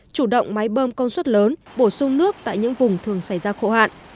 chủ động máy bơm công suất lớn bổ sung nước tại những vùng thường xảy ra khô hạn